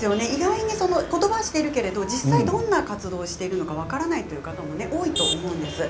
ことばは知っているけど実際どんな活動しているか分からないという方も多いと思うんです。